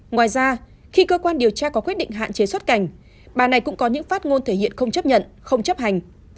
ngoài ra khi cơ quan điều tra có quyết định hạn chế xuất cảnh bà này cũng có những phát ngôn thể hiện không chấp nhận không chấp hành